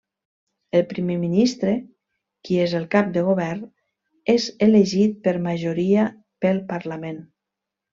El primer ministre, qui és el cap de govern, és elegit per majoria pel parlament.